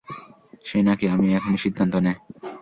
সে নাকি আমি, এখনই সিদ্ধান্ত নে।